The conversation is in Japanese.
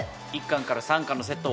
１巻から３巻のセットを。